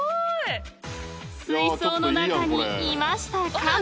［水槽の中にいましたカメ］